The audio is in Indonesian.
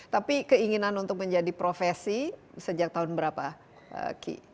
tapi keinginan untuk menjadi profesi sejak tahun berapa ki